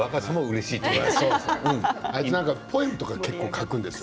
あいつポエムとか書くんですよ。